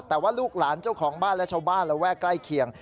แต่ว่าลูกหลานเจ้าของบ้านและชาวบ้านระแวกใกล้เคียง